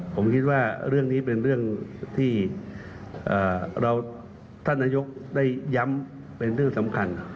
ผมคิดว่าเรื่องนี้เป็นเรื่องที่ท่านนายกได้ย้ำเป็นเรื่องสำคัญ